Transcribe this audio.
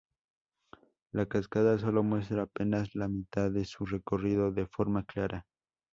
La cascada solo muestra apenas la mitad de su recorrido de forma clara.